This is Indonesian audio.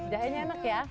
jahenya enak ya